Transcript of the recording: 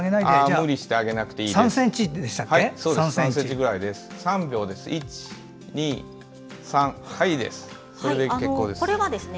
無理して上げなくていいんですね。